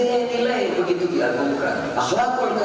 laki laki pacaran sama laki laki cowoknya